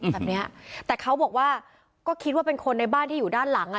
แบบเนี้ยแต่เขาบอกว่าก็คิดว่าเป็นคนในบ้านที่อยู่ด้านหลังอ่ะ